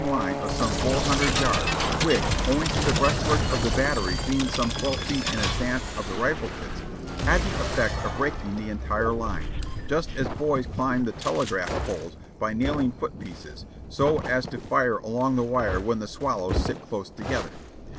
line of some four hundred yards, which, owing to the breastwork of the battery being some twelve feet in advance of the rifle pits, had the effect of raking the entire line, just as boys climb the tele graph poles by nailing foot pieces, so as to fire along the wire when the swallows sit close together.